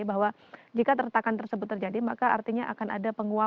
bahwa jika retakan tersebut terjadi maka artinya akan ada penguatan